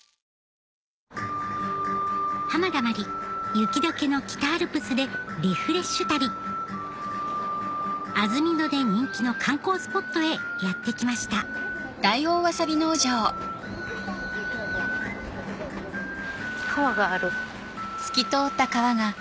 雪解けの北アルプスでリフレッシュ旅安曇野で人気の観光スポットへやって来ました川がある。